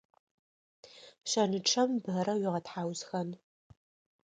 Шэнычъэм бэрэ уигъэтхьаусхэн.